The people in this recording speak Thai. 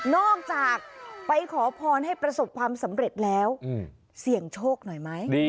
นอกจากไปขอพรให้ประสบความสำเร็จแล้วเสี่ยงโชคหน่อยไหม